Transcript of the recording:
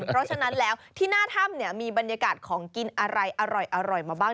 เพราะฉะนั้นแล้วที่หน้าถ้ำเนี่ยมีบรรยากาศของกินอะไรอร่อยมาบ้าง